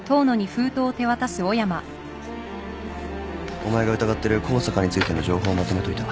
・お前が疑ってる向坂についての情報まとめといた。